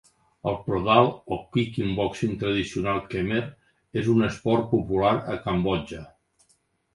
El prodal o kickboxing tradicional khmer és un esport popular a Cambodja.